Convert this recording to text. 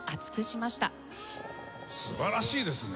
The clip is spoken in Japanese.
素晴らしいですね。